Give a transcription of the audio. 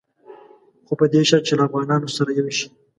خو په دې شرط چې له افغانانو سره یو شي.